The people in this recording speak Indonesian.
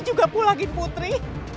juga pulangin putri